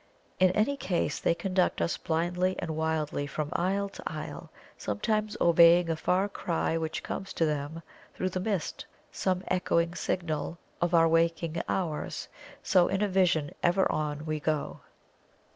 In any case they conduct us blindly and wildly from isle to isle, sometimes obeying a far cry which comes to them through the mist some echoing signal of our waking hours. So in a vision ever on we go!